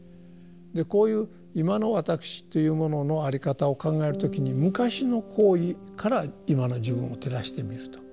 こういう今の私というもののあり方を考える時に昔の行為から今の自分を照らしてみると。